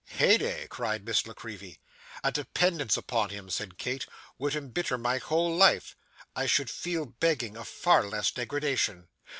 'Heyday!' cried Miss La Creevy. 'A dependence upon him,' said Kate, 'would embitter my whole life. I should feel begging a far less degradation.